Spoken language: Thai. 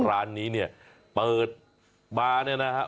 ร้านนี้เนี่ยเปิดมาเนี่ยนะฮะ